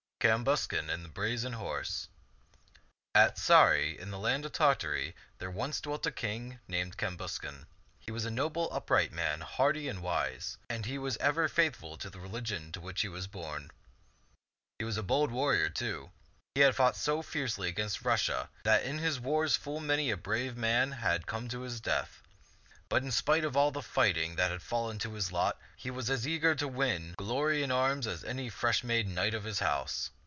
CAMBUSCAN AND THE BRAZEN HORSE AT Sarray, in the land of Tartary, there once dwelt a king named Cambuscan. He was a noble, upright man, hardy and wise, and he was ever faithful to the religion to which he was born. He was a bold warrior, too. He had fought so fiercely against Russia that in his wars full many a brave man had come to his death. But in spite of all the fighting that had fallen to his lot, he was as eager to win glory in arms as any fresh made knight of his house.